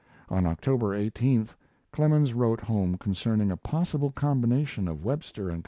On October 18 Clemens wrote home concerning a possible combination of Webster & Co.